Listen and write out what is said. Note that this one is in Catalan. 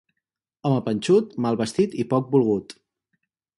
Home panxut, mal vestit i poc volgut.